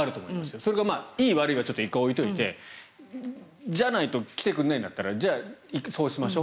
それはいい悪いは一回置いといてじゃないと来てくれないんだったらそうしましょう。